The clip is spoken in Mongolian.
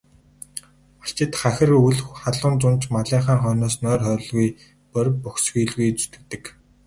Малчид хахир өвөл, халуун зун ч малынхаа хойноос нойр, хоолгүй борви бохисхийлгүй зүтгэдэг.